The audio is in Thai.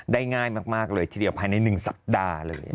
ได้ง่ายมากเลยทีเดียวภายใน๑สัปดาห์เลย